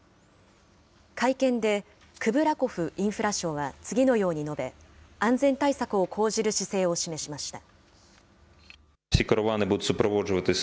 会見で、クブラコフ・インフラ相は、次のように述べ、安全対策を講じる姿勢を示しました。